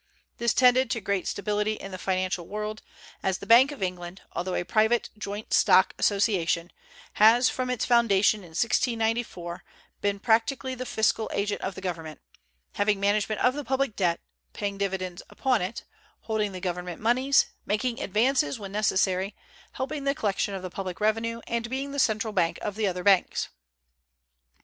This tended to great stability in the financial world, as the Bank of England, although a private joint stock association, has from its foundation in 1694 been practically the fiscal agent of the government, having the management of the public debt, paying dividends upon it, holding the government moneys, making advances when necessary, helping the collection of the public revenue, and being the central bank of the other banks.